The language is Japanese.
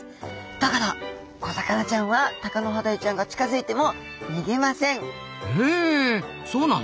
だから小魚ちゃんはタカノハダイちゃんが近づいても逃げません。